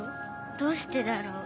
どうしてだろう。